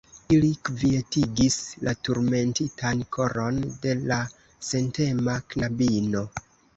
Ili kvietigis la turmentitan koron de la sentema knabino.